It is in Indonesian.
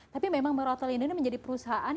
tapi memang moratel indonesia menjadi perusahaan